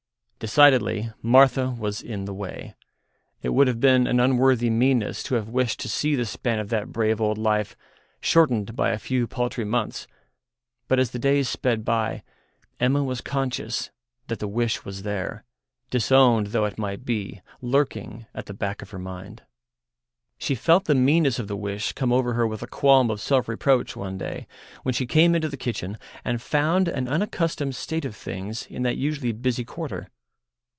Decidedly Martha was in the way. It would have been an unworthy meanness to have wished to see the span of that brave old life shortened by a few paltry months, but as the days sped by Emma was conscious that the wish was there, disowned though it might be, lurking at the back of her mind. She felt the meanness of the wish come over her with a qualm of self reproach one day when she came into the kitchen and found an unaccustomed state of things in that usually busy quarter.